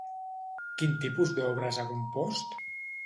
Quin tipus d'obres ha compost?